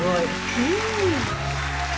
うん！